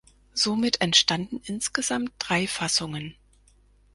Somit entstanden insgesamt drei Fassungen.